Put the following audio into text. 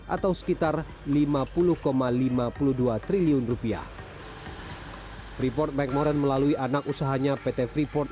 atau sekitar lima puluh lima puluh dua triliun rupiah freeport mcmoran melalui anak usahanya pt freeport